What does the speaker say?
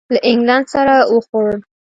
له اینګلینډ سره وخوړل.